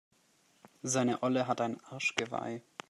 Seine Olle hat ein Arschgeweih.